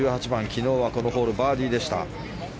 昨日は、このホールバーディーでした。